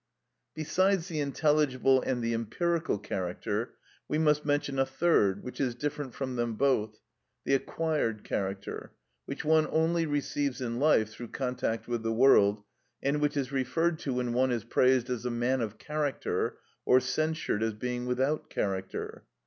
Besides the intelligible and the empirical character, we must mention a third which is different from them both, the acquired character, which one only receives in life through contact with the world, and which is referred to when one is praised as a man of character or censured as being without character.